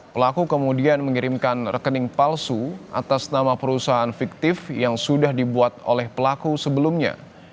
pelaku kemudian mengirimkan rekening palsu atas nama perusahaan fiktif yang sudah dibuat oleh pelaku sebelumnya